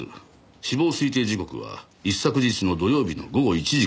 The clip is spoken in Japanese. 死亡推定時刻は一昨日の土曜日の午後１時から５時の間。